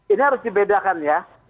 ini harus dibedakan ya